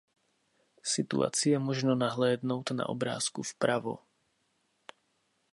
Situaci je možno nahlédnout na obrázku vpravo.